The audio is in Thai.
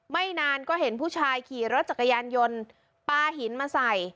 ไม่นานก็เห็นผู้ชายขี่รถจักรยานยนต์ปลาหินมาใส่